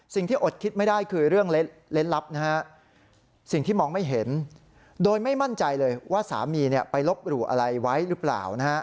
อดคิดไม่ได้คือเรื่องเล่นลับนะฮะสิ่งที่มองไม่เห็นโดยไม่มั่นใจเลยว่าสามีไปลบหลู่อะไรไว้หรือเปล่า